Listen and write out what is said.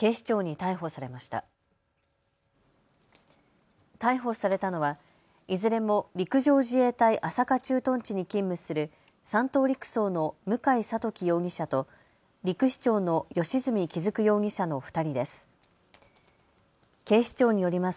逮捕されたのは、いずれも陸上自衛隊朝霞駐屯地に勤務する３等陸曹の向井識起容疑者と陸士長の善積築久容疑者の２人です。